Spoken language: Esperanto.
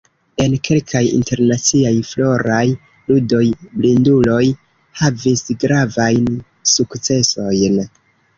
En kelkaj Internaciaj Floraj Ludoj blinduloj havis gravajn sukcesojn.